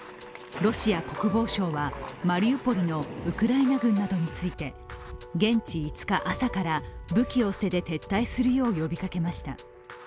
ロシア国防省はマリウポリのウクライナ軍などについて現地５日朝から武器を捨てて撤退するよう呼びかけました。